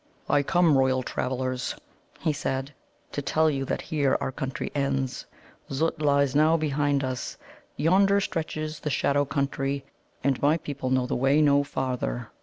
"I come, Royal Travellers," he said, "to tell you that here our country ends. Zut lies now behind us. Yonder stretches the Shadow Country, and my people know the way no farther."